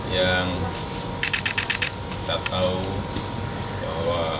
yang kita tahu bahwa